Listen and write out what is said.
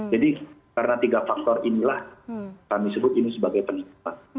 jadi karena tiga faktor inilah kami sebut ini sebagai penipuan